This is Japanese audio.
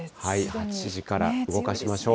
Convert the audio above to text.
８時から動かしましょう。